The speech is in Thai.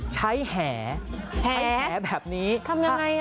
ใช้แห่แบบนี้แห่ทำยังไง